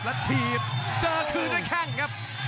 แล้วถีบเจอคืนด้วยแข้งครับ